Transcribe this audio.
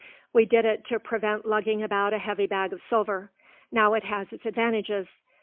We did it to prevent lugging about a heavy bag of silver. Now, it has its advantages.